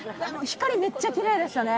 光、めっちゃきれいでしたね。